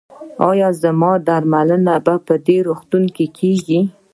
ایا زما درملنه په دې روغتون کې کیږي؟